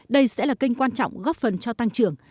đây sẽ là kênh quan trọng góp phần cho tăng trưởng